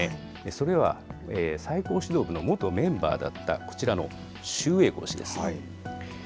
それは、最高指導部の元メンバーだった、こちらの周永康氏です。